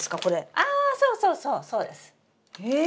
あそうそうそうそうです。え！